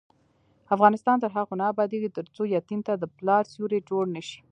افغانستان تر هغو نه ابادیږي، ترڅو یتیم ته د پلار سیوری جوړ نشي.